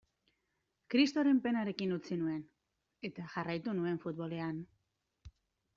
Kristoren penarekin utzi nuen, eta jarraitu nuen futbolean.